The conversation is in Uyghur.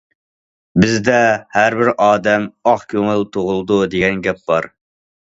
بىزدە« ھەر بىر ئادەم ئاق كۆڭۈل تۇغۇلىدۇ» دېگەن گەپ بار.